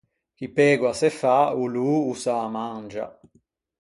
Chi pegoa se fa o lô o s’â mangia.